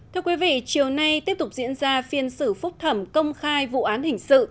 thưa quý vị chiều nay tiếp tục diễn ra phiên xử phúc thẩm công khai vụ án hình sự